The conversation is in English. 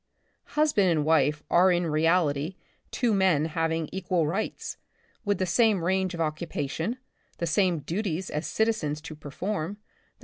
Hus band and wife arc in reality two men having equal rights, with the same range of occupation, the same duties as citizens to perform, the